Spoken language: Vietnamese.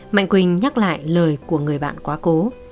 mạnh quỳnh nhắc lại lời của người bạn quá cố